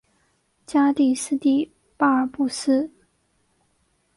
加的斯的巴尔布斯。